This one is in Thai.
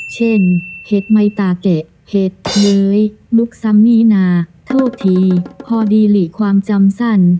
เห็ดไมตาเกะเห็ดเย้ยลุกซ้ำมีนาโทษทีพอดีหลีความจำสั้น